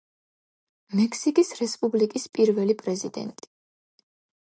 მექსიკის რესპუბლიკის პირველი პრეზიდენტი.